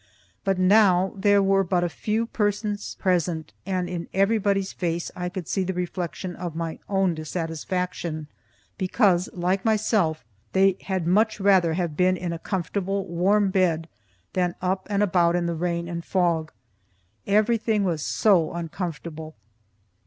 But now there were but a few persons present, and in everybody's face I could see the reflection of my own dissatisfaction, because, like myself, they had much rather have been in a comfortable, warm bed than up and about in the rain and fog. Everything was so uncomfortable.